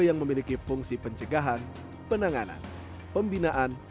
yang memiliki fungsi pencegahan penanganan pembinaan